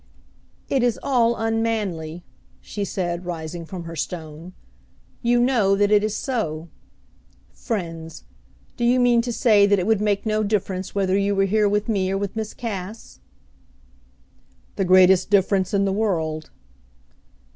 "It is all unmanly," she said, rising from her stone; "you know that it is so. Friends! Do you mean to say that it would make no difference whether you were here with me or with Miss Cass?" "The greatest difference in the world."